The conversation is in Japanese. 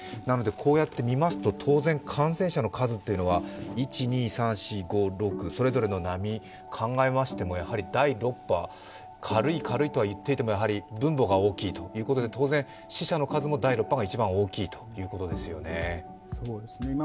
なのでこうやって見ますと当然、感染者の数というのはそれぞれの波を考えましても第６波、軽い、軽いとは言っていてもやはり分母が大きいということで当然死者の数は第６波が一番大きいということですね。